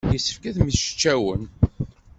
Yessefk ad mmečcawen.